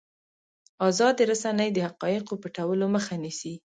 ازادې رسنۍ د حقایقو پټولو مخه نیسي.